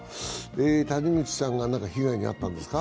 谷口さんが被害に遭ったんですか？